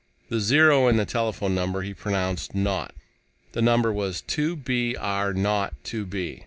The zero in the telephone number he pronounced "naught." The number was: "2 B R 0 2 B."